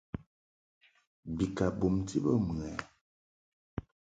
Bi ka bumti bə mɨ ɛ ?